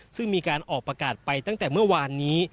ซึ่งมีการออกประกาศไปตั้งแต่เมื่อวานนี้